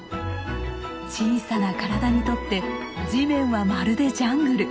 小さな体にとって地面はまるでジャングル。